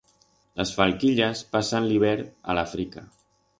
Las falquillas pasan l'hibert a l'Africa.